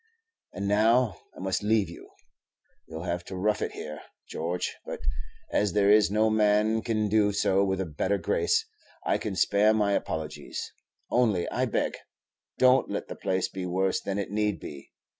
And now I must leave you. You 'll have to rough it here, George; but as there is no man can do so with a better grace, I can spare my apologies; only, I beg, don't let the place be worse than it need be.